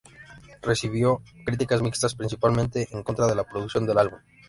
Recibió críticas mixtas, principalmente en contra de la producción del álbum.